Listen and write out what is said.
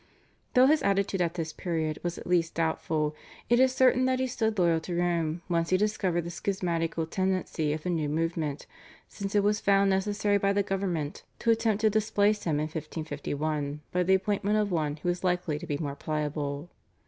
Though his attitude at this period was at least doubtful, it is certain that he stood loyal to Rome once he discovered the schismatical tendency of the new movement, since it was found necessary by the government to attempt to displace him in 1551 by the appointment of one who was likely to be more pliable.